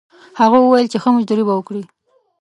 هغه وویل چې ښه مزدوري به ورکړي.